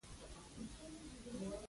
مهم مدرک د خپلې ټولنې واقعیتونو خبره ده.